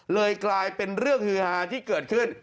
เลยกลายเป็นเรื่องฮือฮาที่เกิดขึ้น